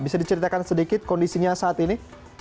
bisa diceritakan sedikit kondisinya saat ini